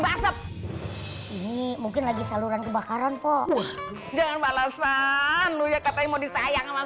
basep ini mungkin lagi saluran kebakaran poh dengan balasan lu ya katanya mau disayang sama